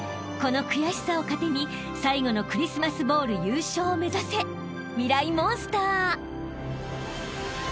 ［この悔しさを糧に最後のクリスマスボウル優勝を目指せミライ☆モンスター！］